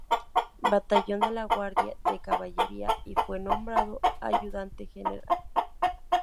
Batallón de la Guardia de caballería y fue nombrado ayudante general.